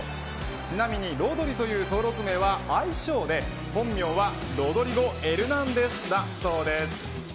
ちなみにロドリという登録名は愛称で本名はロドリゴ・エルナンデスだそうです。